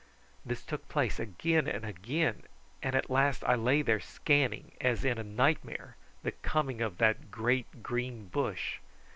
This took place again and again, and at last I lay there scanning as in a nightmare the coming of that great green bush.